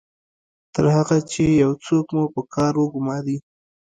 تر هغه چې یو څوک مو په کار وګماري